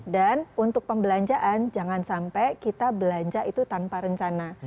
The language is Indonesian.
dan untuk pembelanjaan jangan sampai kita belanja itu tanpa rencana